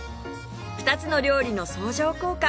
２つの料理の相乗効果